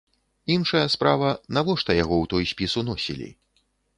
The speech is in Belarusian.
Іншая справа, навошта яго ў той спіс уносілі?